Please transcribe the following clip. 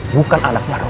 bukan anaknya roy